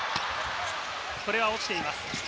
これは落ちています。